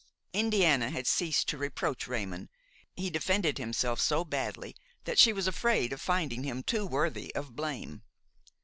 XX Indiana had ceased to reproach Raymon; he defended himself so badly that she was afraid of finding him too worthy of blame.